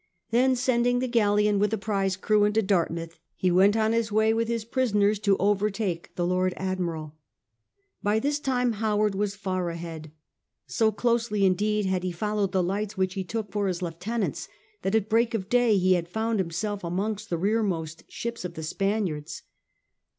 Then sending the galleon with a prize crew into Dartmouth, he went on his way with his prisoners to overtake the Lord Admiral By this time Howard was far ahead. So closely indeed had he followed the lights which he took for his lieutenant's, that at break of day he had found himself amongst the rearmost ships of the Spaniards.